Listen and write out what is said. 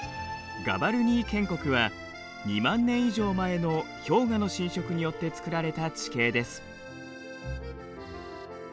ガヴァルニー圏谷は２万年以上前の氷河の浸食によって作られた地形です。